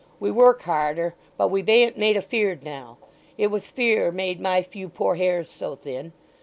We work harder, but we bain't made afeard now. It was fear made my few poor hairs so thin!